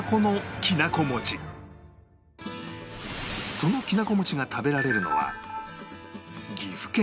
そのきなこ餅が食べられるのは岐阜県